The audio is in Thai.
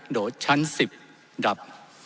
โดดชั้น๑๐ดับ